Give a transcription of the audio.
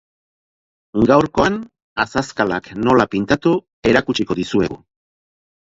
Gaurkoan azazkalak nola pintatu erakutsiko dizuegu.